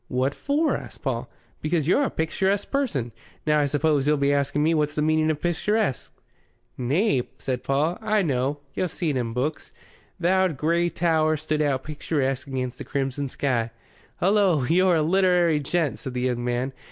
"What for?" asked Paul. "Because you're a picturesque person. Now, I suppose you'll be asking me what's the meaning of picturesque?" "Nay," said Paul. "I know. Yo' see it in books. 'Th' owd grey tower stood out picturesque against the crimson sky.'" "Hullo! you're a literary gent," said the young man.